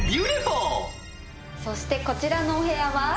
そしてこちらのお部屋は。